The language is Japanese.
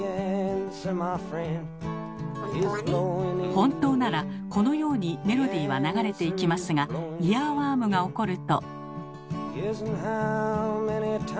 本当ならこのようにメロディーは流れていきますがイヤーワームが起こると。